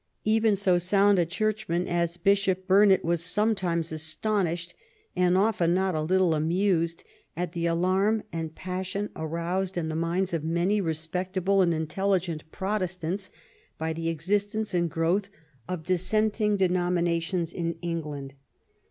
Even so sound a churchman as Bishop Burnet was sometimes astonished, and often not a little amused, at the alarm and passion aroused in the minds of many respectable and intelligent Protestants by the existence and growth of dissenting denominations in England.